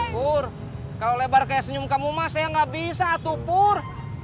pur kalau lebar kayak senyum kamu mah saya nggak bisa tuh pur